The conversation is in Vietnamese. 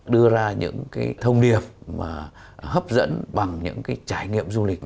đưa ra những cái thông điệp mà hấp dẫn bằng những cái trải nghiệm du lịch